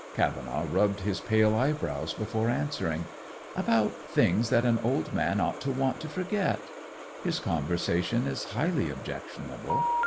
Cavenaugh rubbed his pale eyebrows before answering. "About things that an old man ought to want to forget. His conversation is highly objectionable.